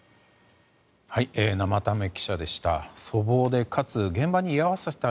生田目記者でした。